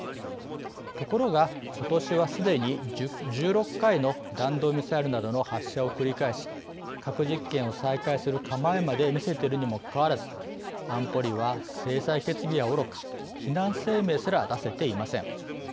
ところが、ことしはすでに１６回の弾道ミサイルなどの発射を繰り返し核実験を再開する構えまで見せているにもかかわらず安保理は制裁決議はおろか非難声明すら出せていません。